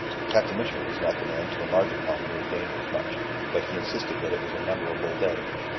Captain Mitchell was not the man to enlarge upon mere dangers much. But he insisted that it was a memorable day.